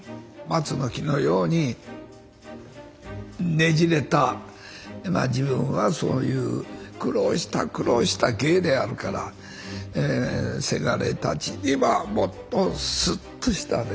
松の木のようにねじれた自分はそういう苦労した苦労した芸であるからせがれたちにはもっとスッとしたですね